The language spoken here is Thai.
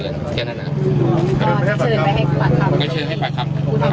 ก็เชิญให้มันครับ